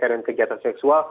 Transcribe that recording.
dengan kegiatan seksual